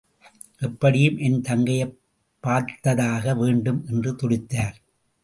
எப்படியும் என் தங்கையைப் பார்த்தாக வேண்டும் என்று துடித்தார்.